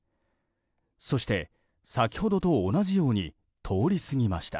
そして、先ほどと同じように通り過ぎました。